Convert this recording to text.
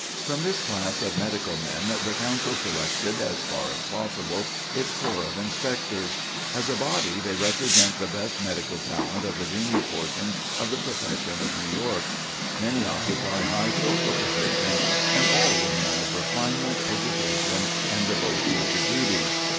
From this class of medical men the Council selected, as far as possible, its corps of Inspectors. As a body, they represent the best medical talent of the junior portion of the profession of New York. Many occupy high social positions, and all were men of refinement, education, and devotion to duty.